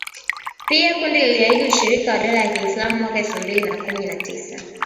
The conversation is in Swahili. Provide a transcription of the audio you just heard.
Pia kundi liliahidi ushirika na dola ya kiislamu mwaka elfu mbili na kumi na tisa